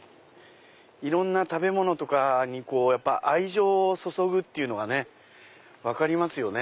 いろんな食べ物とかに愛情を注ぐっていうのがね分かりますよね。